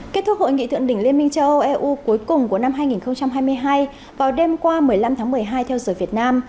kết thúc hội nghị thượng đỉnh liên minh châu âu eu cuối cùng của năm hai nghìn hai mươi hai vào đêm qua một mươi năm tháng một mươi hai theo giờ việt nam